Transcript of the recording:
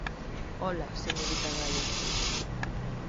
-Ola, señorita Gaia!